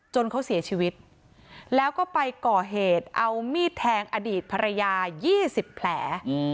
เขาเสียชีวิตแล้วก็ไปก่อเหตุเอามีดแทงอดีตภรรยา๒๐แผล